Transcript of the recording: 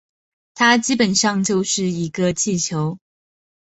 它基本上就是一个气球